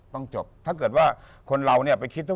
ต้องจบถ้าเกิดว่าคนเราเนี่ยไปคิดว่า